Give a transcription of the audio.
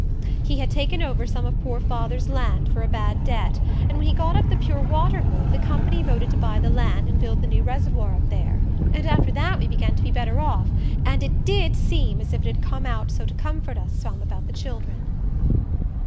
"He had taken over some of poor father's land for a bad debt, and when he got up the Pure Water move the company voted to buy the land and build the new reservoir up there: and after that we began to be better off, and it DID seem as if it had come out so to comfort us some about the children."